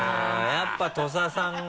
やっぱ土佐さんが。